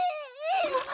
・あっ！